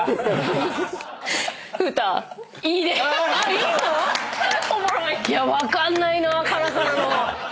いいの⁉いや分かんないなカナカナの。